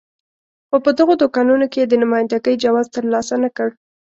خو په دغو دوکانونو کې یې د نماینده ګۍ جواز ترلاسه نه کړ.